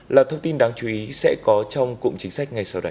là thông tin đáng chú ý sẽ có trong cụm chính sách ngay sau đây